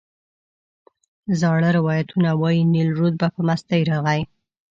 زاړه روایتونه وایي نیل رود به په مستۍ راغی.